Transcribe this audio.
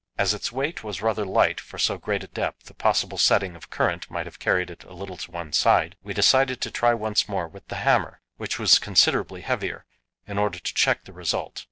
As its weight was rather light for so great a depth a possible setting of current might have carried it a little to one side we decided to try once more with the hammer, which was considerably heavier, in order to check the result.